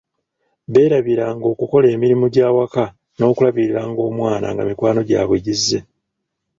Beerabira nga okukola emirimu gy'awaka n'okulabirira omwana nga mikwano gy'abwe gizze.